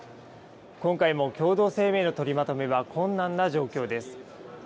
今回も共同声明の取りまとめは困難な状況です。